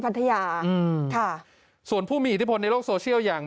พัทยาอืมค่ะส่วนผู้มีอิทธิพลในโลกโซเชียลอย่าง